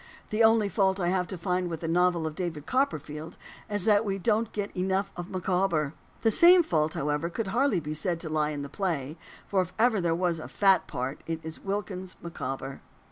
The only fault I have to find with the novel of David Copperfield is that we don't get enough of Micawber. The same fault, however, could hardly be said to lie in the play; for if ever there was a "fat" part, it is Wilkins Micawber.